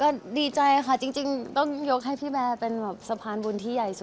ก็ดีใจค่ะจริงต้องยกให้พี่แบร์เป็นแบบสะพานบุญที่ใหญ่สุด